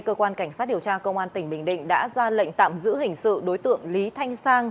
cơ quan cảnh sát điều tra công an tỉnh bình định đã ra lệnh tạm giữ hình sự đối tượng lý thanh sang